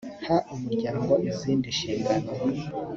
ha umuryango izindi nshingano